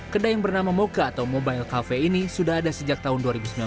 kedai yang bernama moka atau mobile cafe ini sudah ada sejak tahun dua ribu sembilan belas